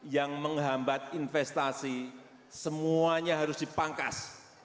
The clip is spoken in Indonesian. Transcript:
yang menghambat investasi semuanya harus dipangkas